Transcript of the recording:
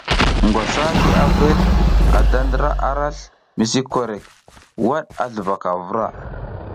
Ngwasa ngi abel a da ndra arasl mi korek, waɗ a sluvaka avura.